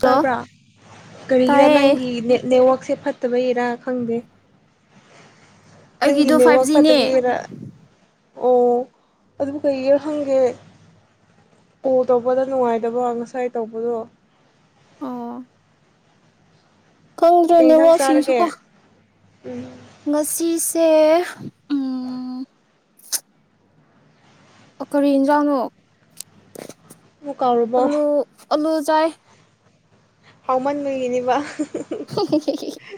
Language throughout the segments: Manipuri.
ꯍꯜꯂꯣ ꯇꯥꯕ꯭ꯔꯥ ꯀꯔꯤꯒꯤꯔ ꯇꯥꯏꯌꯦ ꯅꯪꯒꯤ ꯅꯦꯠ ꯅꯦꯠꯋꯔꯛꯁꯦ ꯐꯠ [unintelligible] ꯈꯔꯥ ꯈꯪꯗꯦ ꯅꯪꯒꯤ ꯑꯩꯒꯤꯗꯣ ꯐꯥꯏꯚ ꯅꯦꯠꯋꯥꯛ ꯖꯤꯅꯦ ꯐꯠꯇꯕꯩꯔ ꯑꯣ ꯑꯗꯨꯕꯨ ꯀꯩꯒꯤꯔ ꯈꯪꯒꯦ ꯀꫭꯜ ꯇꯧꯕꯗ ꯅꯨꯡꯉꯥꯏꯇꯕ ꯉꯁꯥꯏ ꯇꯧꯕꯗꯣ ꯑꯣ ꯀꯧꯗꯦ ꯅꯦꯠꯛꯋꯥꯁꯤꯡꯁꯨ ꯀꯣ ꯎꯝ ꯉꯁꯤꯁꯦ ꯎꯝ ꯀꯔꯤ ꯌꯦꯟꯖꯥꯡꯅꯣ ꯃꯨ ꯀꯥꯎꯔꯕꯣ ꯑꯂꯨꯖꯏ ꯍꯥꯎꯃꯟ ꯕꯒꯤꯅꯦꯕ [unintelligible]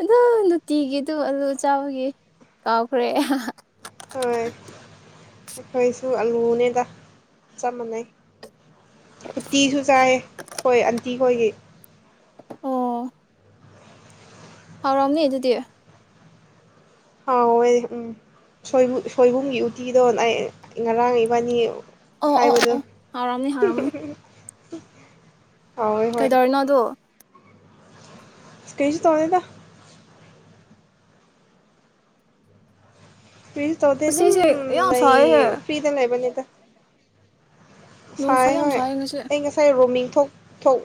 ꯑꯗꯨ ꯅꯨꯡꯇꯤꯒꯤꯗꯣ ꯑꯂꯨ ꯆꯥꯕꯒꯤ ꯀꯥꯎꯈ꯭ꯔꯦ ꯍꯣꯏ ꯑꯩꯈꯣꯏꯁꯨ ꯑꯂꯨꯅꯦꯗ ꯆꯞ ꯃꯥꯟꯅꯩ ꯎꯇꯤꯁꯨ ꯆꯥꯏꯑꯦ ꯑꯈꯣꯏ ꯑꯟꯇꯤ ꯈꯣꯏꯒꯤ ꯑꯣ ꯍꯥꯎꯔꯝꯅꯤ ꯑꯗꯨꯗꯤ ꯍꯥꯎꯋꯦ ꯎꯝ ꯁꯣꯏꯕꯨꯝ ꯁꫭꯏꯕꯨꯝꯒꯤ ꯎꯇꯤꯗꯣ ꯑꯩ ꯉꯔꯥꯡ ꯏꯕꯥꯅꯤ ꯑꯣ ꯑꯣ ꯑꯣ ꯍꯥꯏꯕꯗꯥ ꯑꯣ ꯍꯥꯎꯔꯝꯅꯤ ꯍꯥꯎꯔꯝꯅꯤ [unintelligible] [unintelligible] ꯀꯩꯗꯧꯔꯤꯅꯣ ꯑꯗꯣ ꯀꯩꯁꯨ ꯇꯣꯗꯦꯗ ꯀꯩꯁꯨ ꯇꯧꯗ ꯑꯗꯨꯝ ꯉꯁꯤꯁꯦ ꯌꯥꯝ ꯂꯩ ꯁꯥꯏꯍꯦ ꯐ꯭ꯤꯗ ꯂꯩꯕꯅꯤꯗ ꯅꯨꯡꯁꯥ ꯁꯥꯏ ꯌꯥꯝ ꯍꯣꯏ ꯉꯁꯤ ꯑꯩ ꯉꯁꯥꯏ ꯔꯣꯃꯤꯡ ꯊꯣꯛ ꯊꯣꯛ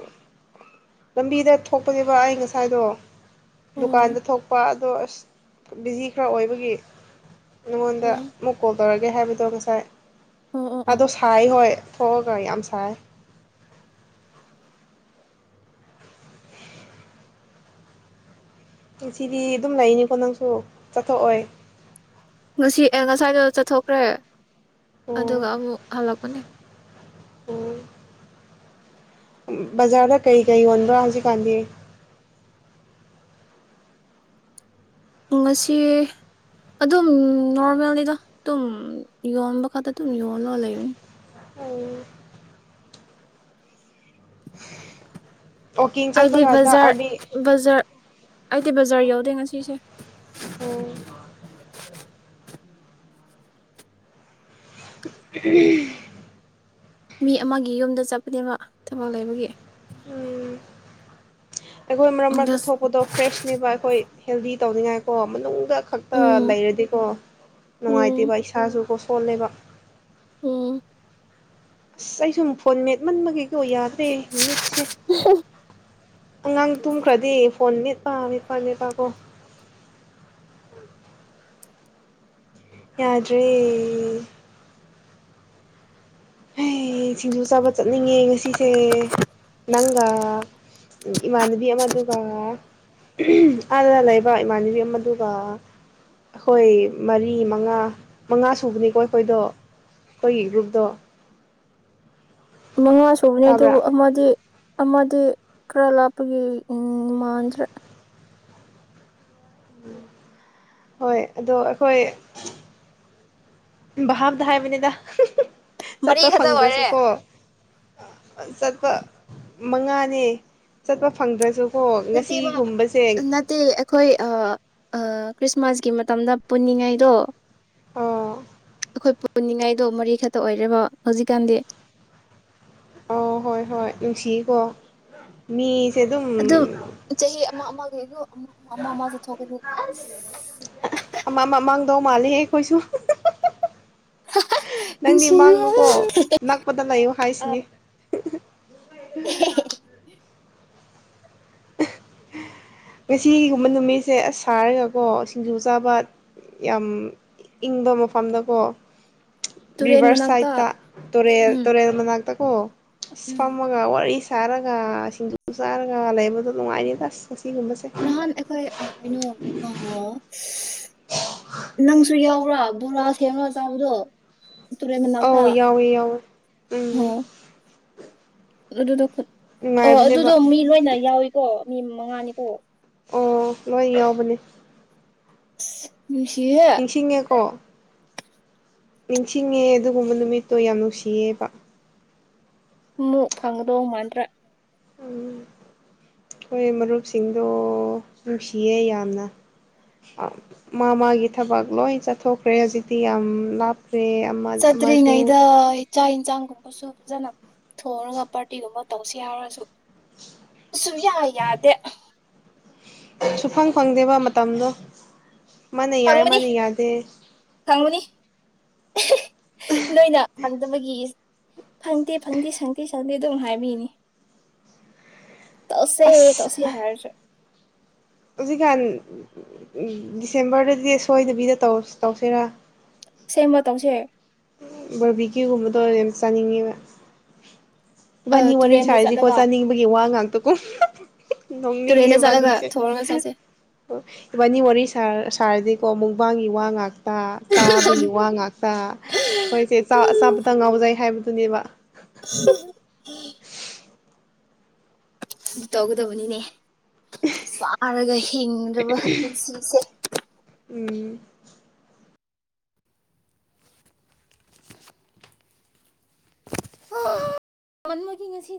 ꯂꯝꯕꯤꯗ ꯊꯣꯛꯄꯅꯦꯕ ꯑꯩ ꯉꯁꯥꯏꯗꯣ ꯑꯣ ꯗꯨꯀꯥꯟꯗ ꯊꯣꯛꯄ ꯑꯗꯣ ꯑꯁ ꯕꯤꯖꯤ ꯈꯔ ꯑꯣꯏꯕꯒꯤ ꯅꯉꯣꯟꯗ ꯑꯣ ꯑꯃꯨꯛ ꯀꯣꯜ ꯇꯧꯔꯒꯦ ꯍꯥꯏꯕ ꯇꯣ ꯉꯁꯥꯏ ꯑꯣ ꯑꯣ ꯑꯣ ꯑꯗꯨꯣ ꯁꯥꯏ ꯍꯣꯏ ꯊꯣꯑꯒ ꯌꯥꯝ ꯁꯥꯥꯏ ꯉꯤꯁꯤꯗꯤ ꯑꯗꯨꯝ ꯂꯩꯅꯤꯀꯣ ꯅꯪꯁꯨ ꯆꯠꯊꯣꯛꯑꯣꯏ ꯉꯁꯤ ꯑꯦ ꯉꯁꯥꯏꯗꯣ ꯆꯠꯊꯣꯛꯈ꯭ꯔꯦ ꯑꯣ ꯑꯗꯨꯒ ꯑꯃꯨꯛ ꯍꯜꯂꯛꯄꯅꯦ ꯑꯣ ꯕꯖꯥꯔꯗ ꯀꯩꯀꯩ ꯌꯣꯟꯕ꯭ꯔꯥ ꯍꯧꯖꯤꯛꯀꯥꯟꯗꯤ ꯉꯁꯤ ꯑꯗꯨꯝ ꯅꯣꯔꯃꯦꯜꯅꯤꯗ ꯇꯨꯝ ꯌꯣꯟꯕ ꯈꯇ ꯗꯨꯝ ꯌꯣꯜꯂꯒ ꯂꯩꯕꯅꯤ ꯑꯣ ꯋꯥꯛꯀꯤꯡ ꯆꯠꯄ ꯑꯩꯗꯤ ꯀꯥꯟꯗ ꯑꯥꯔꯗꯤ ꯕꯖꯥꯔ ꯕꯖꯥꯔ ꯑꯩꯗꯤ ꯕꯖꯥꯔ ꯌꯧꯗꯦ ꯉꯁꯤꯁꯦ ꯎꯝ [unintelligible] ꯃꯤ ꯑꯃꯒꯤ ꯌꯨꯝꯗ ꯆꯠꯄꯅꯦꯕ ꯊꯕꯛ ꯂꯩꯕꯒꯤ ꯎꯝ ꯑꯈꯣꯏ ꯃꯔꯛ ꯃꯔꯛꯇ ꯖꯁ ꯊꯣꯛꯄꯗꯣ ꯐ꯭ꯔꯦꯁꯅꯦꯕ ꯑꯈꯣꯏ ꯍꯦꯜꯗꯤ ꯇꯧꯅꯤꯡꯉꯥꯏ ꯀꯣ ꯃꯅꯨꯡꯗ ꯈꯛꯇ ꯎꯝ ꯂꯩꯔꯗꯤꯀꯣ ꯎꯝ ꯅꯨꯡꯉꯥꯏꯇꯦꯕ ꯏꯁꯥꯁꯨ ꯀꯣ ꯄꯣꯜꯂꯦꯕ ꯎꯝ ꯑꯁ ꯑꯩꯁꯨꯝ ꯐꯣꯟ ꯃꯦꯠꯃꯟꯕꯒꯤ ꯀꯣ ꯌꯥꯗ ꯇꯦ ꯃꯤꯠꯁꯦ ꯑꯉꯥꯡ ꯇꯨꯝꯈ꯭ꯔꯗꯤ ꯐꯣꯟ ꯃꯦꯠꯄꯥ ꯃꯦꯠꯄꯥ ꯃꯦꯠꯄꯥꯀꯣ ꯌꯥꯗ꯭ꯔꯦ ꯍꯩ ꯁꯤꯡꯖꯨ ꯆꯥꯕ ꯆꯠꯅꯤꯡꯉꯦ ꯉꯁꯤꯁꯦ ꯅꯪꯒ ꯏꯃꯥꯟꯅꯕꯤ ꯑꯃꯗꯨꯒ ꯑꯥꯗ ꯂꯩꯕ ꯏꯃꯥꯟꯅꯕꯤ ꯑꯃꯗꯨꯒ ꯑꯈꯣꯏ ꯃꯔꯤ ꯃꯉꯥ ꯃꯉꯥ ꯁꯨꯕꯅꯤꯀꯣ ꯑꯩꯈꯣꯏꯗꯣ ꯈꯣꯏꯒꯤ ꯒ꯭ꯔꯨꯞꯇꯣ ꯃꯉꯥ ꯁꯨꯕꯅꯦ ꯇꯥꯕ꯭ꯔꯥ ꯑꯗꯨꯕꯨ ꯑꯃꯗꯤ ꯑꯃꯗꯤ ꯈꯔ꯭ ꯂꯥꯞꯄꯒꯤ ꯎꯝ ꯃꯥꯟꯗ꯭ꯔꯦ ꯍꯣꯏ ꯑꯗꯣ ꯑꯈꯣꯏ ꯚꯥꯞꯇ ꯍꯥꯏꯕꯅꯦꯗ ꯃꯔꯤ ꯆꯠꯄ ꯈꯛꯇ ꯑꯣꯏꯔꯦ ꯐꯪꯗ꯭ꯔꯁꯨꯀꯣ ꯆꯠꯄ ꯃꯉꯥꯅꯦ ꯆꯠꯄ ꯐꯪꯗ꯭ꯔꯁꯨ ꯅꯠꯇꯦꯕ ꯅꯠꯇꯦ ꯑꯩꯈꯣꯏ ꯑꯥ ꯈ꯭ꯔꯤꯁꯃꯥꯁꯀꯤ ꯃꯇꯝꯗ ꯄꯨꯟꯅꯤꯡꯉꯥꯏꯗꯣ ꯑꯣ ꯈꯣꯏ ꯄꯨꯟꯅꯤꯡꯉꯥꯏꯗꯣ ꯃꯔꯤꯈꯇ ꯑꯣꯏꯔꯦꯕꯣ ꯍꯧꯖꯤꯛꯀꯥꯟꯗꯤ ꯑꯣ ꯍꯣꯏ ꯍꯣꯏ ꯅꯨꯡꯁꯤꯌꯦꯀꯣ ꯃꯤ ꯑꯗꯣ ꯆꯍꯤ ꯑꯃ ꯑꯃꯒꯤ ꯑꯃ [unintelligible] ꯆꯠꯊꯣꯛꯀꯅꯤ ꯑꯁ ꯑꯃ ꯃꯃꯥꯡ ꯗꯧ ꯃꯜꯂꯦꯍꯦ ꯑꯈꯣꯏꯁꯨ ꯅꯪꯗꯤ ꯅꯨꯡꯁꯤꯌꯦ ꯃꯥꯡꯅꯨꯀꯣ ꯅꯛꯄꯗ ꯂꯩꯌꯨ ꯑ ꯍꯥꯏꯁꯤꯅꯤ [inaudible] ꯉꯁꯤꯒꯨꯝꯕ ꯅꯨꯃꯤꯠꯁꯦ ꯑꯁ ꯁꯥꯔꯒꯀꯣ ꯁꯤꯡꯖꯨ ꯆꯥꯕ ꯌꯥꯝ ꯏꯪꯕ ꯃꯐꯝꯗꯀꯣ ꯇꯨꯔꯦꯟ ꯔꯤꯕꯔꯁ ꯃꯅꯥꯛꯇ ꯁꯥꯏꯠꯇ ꯇꯨꯔꯦꯜ ꯎꯝ ꯇꯨꯔꯦꯜ ꯃꯅꯥꯛꯇ ꯑꯣ ꯑꯁ ꯎꯝ ꯐꯝꯃꯒ ꯋꯥꯔꯤ ꯆꯥꯔꯒ ꯁꯤꯡꯖꯨ ꯆꯥꯔꯒ ꯂꯩꯕꯗꯨ ꯅꯨꯡꯉꯥꯏꯅꯤ ꯇꯁ ꯅꯍꯥꯟ ꯑꯩꯈꯣꯏ ꯑ ꯀꯩꯅꯣ ꯑꯃ ꯅꯪꯁꯨ ꯌꯥꯎꯔꯥ ꯕꯨꯃꯥꯁꯀꯤ ꯑꯃ ꯆꯥꯕꯗꯣ ꯇꯨꯔꯦꯟ ꯃꯅꯥꯛꯇ ꯑꯧ ꯌꯥꯎꯋꯦ ꯌꯥꯎꯋꯦ ꯎꯝ ꯑꯗꯨꯗ ꯑꯣ ꯅꯨꯡꯉꯥꯏꯕꯅꯦꯕ ꯑꯗꯨꯗꯣ ꯃꯤ ꯂꯣꯏꯅ ꯌꯥꯎꯋꯤ ꯀꯣ ꯃꯤ ꯃꯉꯥꯅꯤꯀꯣ ꯑꯣ ꯂꯣꯏ ꯌꯥꯎꯕꯅꯦ [unintelligible] ꯅꯤꯡꯁꯤꯡꯉꯦꯀꯣ ꯅꯤꯡꯁꯤꯡꯉꯦ ꯑꯗꯨꯒꯨꯝꯕ ꯅꯨꯃꯤꯠꯇꯣ ꯌꯥꯝ ꯅꯨꯡꯁꯤꯌꯦꯕ ꯑꯃꯨꯛ ꯐꯪꯒꯗꯕ ꯃꯥꯟꯗꯔꯦ ꯎꯝ ꯑꯩꯈꯣꯏ ꯃꯔꯨꯞꯁꯤꯡꯗꯣ ꯅꯨꯡꯁꯤꯌꯦ ꯌꯥꯝꯅ ꯃꯥ ꯃꯥꯒꯤ ꯊꯕꯛ ꯂꯣꯏ ꯆꯠꯊꯣꯛꯈ꯭ꯔꯦ ꯍꯧꯖꯤꯛꯇꯤ ꯌꯥꯝ ꯂꯥꯞ ꯑꯦ ꯑꯃꯁꯨ ꯆꯠꯇ꯭ꯔꯤꯉꯩꯗ ꯆꯥꯛ ꯏꯟꯁꯥꯡꯒꯨꯝꯕꯁꯨ ꯐꯖꯅ ꯊꯣꯡꯉꯒ ꯄꯥꯔꯇꯤꯒꯨꯝꯕ ꯇꯧꯁꯤ ꯌꯥꯎꯔꯁꯨ ꯁꯨꯝ ꯌꯥ ꯌꯥꯗꯦ ꯁꯨꯐꯪ ꯐꯪꯗꯦꯕ ꯃꯇꯝꯗꯣ ꯃꯥꯅ ꯌꯥꯏ ꯐꯪꯕꯅꯤ ꯃꯥꯅ ꯌꯥꯗꯦ ꯐꯪꯕꯅꯤ [inaudible] ꯅꯣꯏꯅ ꯐꯪꯗꯕꯒꯤ ꯐꯪꯗꯦ ꯐꯪꯗꯦ ꯁꯪꯗꯦ ꯁꯪꯗꯦ ꯑꯗꯨꯝ ꯍꯥꯏꯕꯤꯅꯤ ꯇꯧꯁꯦ ꯑꯁ ꯇꯧꯁꯦ ꯍꯥꯏꯔꯁꯨ ꯍꯧꯖꯤꯛꯀꯥꯟ ꯗꯤꯁꯦꯝꯕꯔꯗꯗꯤ ꯁꯣꯏꯗꯕꯤꯗ ꯇꯧꯁꯤꯔꯥ ꯁꯦꯝꯃ ꯇꯧꯁꯦ ꯕꯔꯕꯤꯀ꯭ꯌꯨ ꯒꯨꯝꯕ ꯇꯧꯔꯗꯤ ꯌꯥꯝ ꯆꯥꯅꯤꯡꯉꯤꯕ ꯑ ꯏꯕꯥꯅꯤ ꯋꯥꯔꯤ ꯇꯨꯔꯦꯟꯗ ꯁꯥꯔꯤꯁꯤꯀꯣ ꯆꯠꯂꯒ ꯆꯥꯅꯤꯡꯕꯒꯤ ꯋꯥ ꯉꯥꯛꯇ ꯀꯨꯝ ꯅꯣꯛꯅꯤꯡꯉꯦ ꯇꯨꯔꯦꯟꯗ ꯆꯠꯂꯒ ꯏꯕꯥꯅꯤꯁꯦ ꯊꯣꯡꯔꯒ ꯆꯥꯁꯦ ꯏꯕꯥꯅꯤ ꯋꯥꯔꯤ ꯁꯥꯔ ꯁꯥꯔꯗꯤꯀꯣ ꯃꯨꯛꯕꯥꯡꯒꯤ ꯋꯥ ꯉꯥꯛꯇ ꯆꯥꯕꯒꯤ ꯋꯥ ꯉꯥꯛꯇ ꯑꯦꯆꯥ ꯑꯆꯥꯥꯕꯗ ꯉꯥꯎꯖꯩ ꯍꯥꯏꯕꯗꯨꯅꯦꯕ [unintelligible] ꯇꯒꯗꯕꯅꯤꯅꯦ ꯆꯥꯔꯒ ꯍꯤꯡꯗ꯭ꯔꯕ ꯄꯨꯟꯁꯤꯁꯦ ꯎꯝ [unintelligible] ꯒꯤ ꯉꯥꯁꯤ